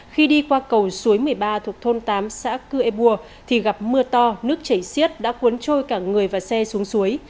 khi đi qua cầu suối một mươi ba thuộc thôn tám xã cư ê bua thì gặp mưa to nước chảy xiết đã cuốn trôi cả người và xe xuống suối